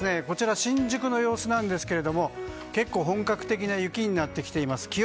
こちら、新宿の様子なんですけど結構、本格的な雪になっています。